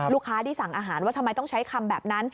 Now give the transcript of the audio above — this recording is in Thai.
ที่สั่งอาหารว่าทำไมต้องใช้คำแบบนั้น